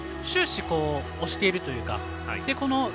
終始、押しているというか。